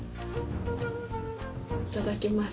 いただきます。